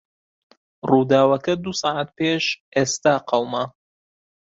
ڕووداوەکە دوو سەعات پێش ئێستا قەوما.